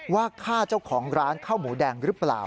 ว่าฆ่าเจ้าของร้านข้าวหมูแดงหรือเปล่า